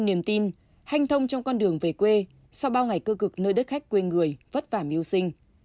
niềm tin hanh thông trong con đường về quê sau bao ngày cơ cực nơi đất khách quê người vất vả miêu sinh